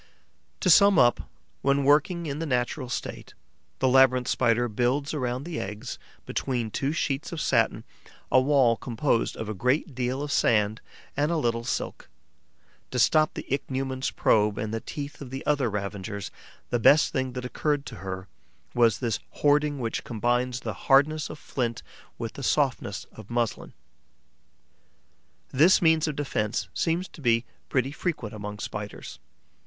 To sum up, when working in the natural state, the Labyrinth Spider builds around the eggs, between two sheets of satin, a wall composed of a great deal of sand and a little silk. To stop the Ichneumon's probe and the teeth of the other ravagers, the best thing that occurred to her was this hoarding which combines the hardness of flint with the softness of muslin. This means of defence seems to be pretty frequent among Spiders.